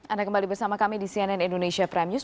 anda kembali bersama kami di cnn indonesia prime news